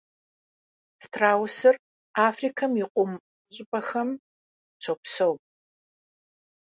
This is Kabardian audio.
Strausır Afrikem yi khum ş'ıp'exem şopszu.